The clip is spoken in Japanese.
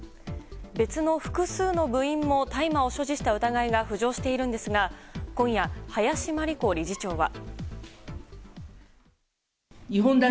別の複数の部員も大麻を所持した疑いが浮上しているんですが今夜、林真理子理事長は。